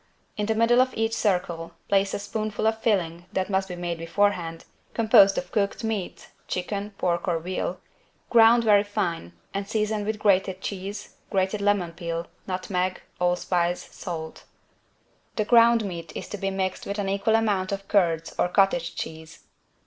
In the middle of each circle place a spoonful of filling that must be made beforehand, composed of cooked meat (chicken, pork or veal) ground very fine and seasoned with grated cheese, grated lemon peel, nutmeg, allspice, salt. The ground meat is to be mixed with an equal amount of curds or cottage cheese.